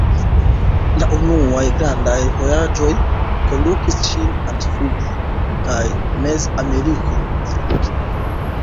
La unuaj grandaj vojaĝoj kondukis ŝin al Sud- kaj Mez-Ameriko.